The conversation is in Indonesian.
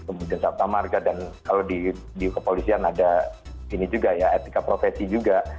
kemudian sabta marga dan kalau di kepolisian ada ini juga ya etika profesi juga